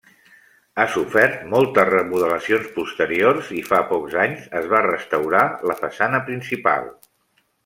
Ha sofert moltes remodelacions posteriors i fa pocs anys es va restaurar la façana principal.